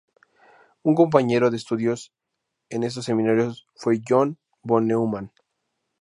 Un compañero de estudios en estos seminarios fue John von Neumann.